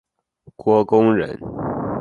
郭躬人。